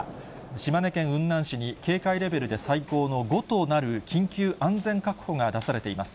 島根県雲南市に警戒レベルで最高の５となる緊急安全確保が出されています。